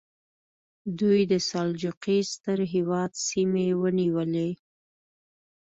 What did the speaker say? دوی د سلجوقي ستر هېواد سیمې ونیولې.